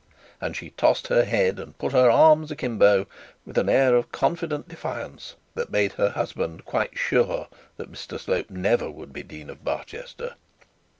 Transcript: And she tossed her head, and put her arms a kimbo, with an air of confident defiance that made her husband quite sure that Mr Slope never would be Dean of Barchester.